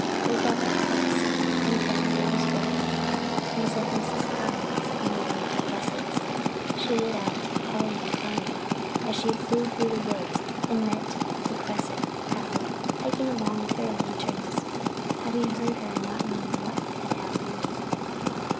They felt my pulse and found it was going and sent Mrs. Hines on the run to Cresset's. She lit out, calling and crying as she flew through the woods, and met the Cresset crowd, hiking along with their lanterns, having heard her and not knowing what had happened.